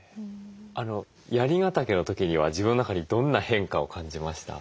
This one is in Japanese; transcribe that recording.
槍ヶ岳の時には自分の中にどんな変化を感じました？